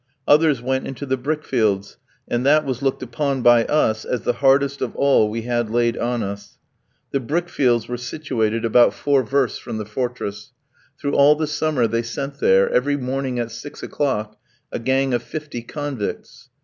Others went into the brick fields, and that was looked upon by us as the hardest of all we had laid on us. The brick fields were situated about four versts from the fortress; through all the summer they sent there, every morning at six o'clock, a gang of fifty convicts.